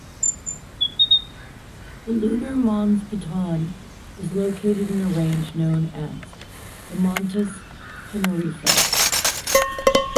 The lunar Mons Piton is located in a range known as the Montes Teneriffe.